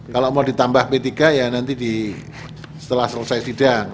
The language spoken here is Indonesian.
kalau mau ditambah p tiga ya nanti setelah selesai sidang